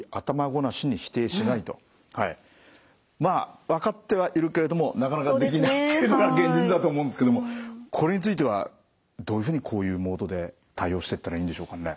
まあ分かってはいるけれどもなかなかできないっていうのが現実だと思うんですけどもこれについてはどういうふうにこういうモードで対応してったらいいんでしょうかね？